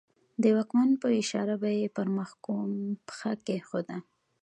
د واکمن په اشاره به یې پر محکوم پښه کېښوده.